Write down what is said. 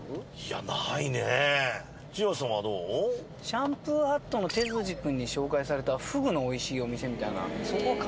シャンプーハットのてつじ君に紹介されたフグの美味しいお店みたいな。